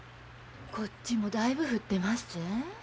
こっちもだいぶ降ってまっせ。